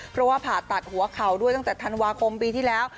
เพราะว่าผ่าตัดหัวเข่าด้วยตั้งแต่ธันวาคมปีที่แล้ว